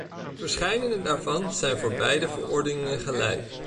Verscheidene daarvan zijn voor beide verordeningen gelijk.